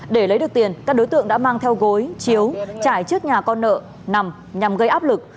để lấy được tiền các đối tượng đã mang theo gối chiếu trải trước nhà con nợ nằm nhằm gây áp lực